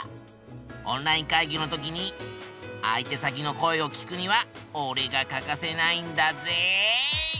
オンライン会議の時に相手先の声を聞くにはおれが欠かせないんだぜ。